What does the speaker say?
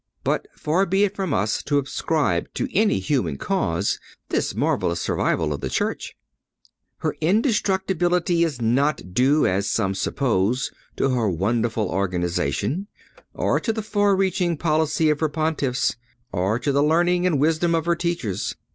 But far be it from us to ascribe to any human cause this marvelous survival of the Church. Her indestructibility is not due, as some suppose, to her wonderful organization, or to the far reaching policy of her Pontiffs, or to the learning and wisdom of her teachers.